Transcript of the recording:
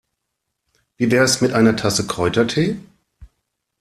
Wie wär's mit einer Tasse Kräutertee?